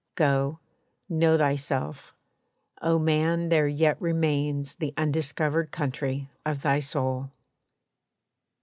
Go, know thyself, O man! there yet remains The undiscovered country of thy soul!